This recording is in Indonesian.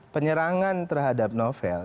penyerangan terhadap novel